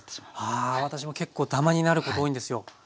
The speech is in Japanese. あ私も結構ダマになること多いんですよ。